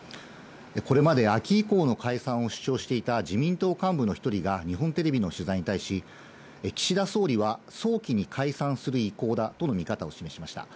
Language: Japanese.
これまで秋以降の解散を主張していた自民党幹部の１人が日本テレビの取材に対し、岸田総理は早期に解散する意向だとの見方を示しました。